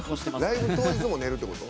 ライブ当日も寝るってこと？